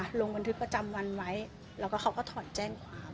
ลงบันทึกประจำวันไว้แล้วก็เขาก็ถอนแจ้งความ